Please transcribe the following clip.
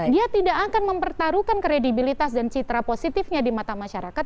dia tidak akan mempertaruhkan kredibilitas dan citra positifnya di mata masyarakat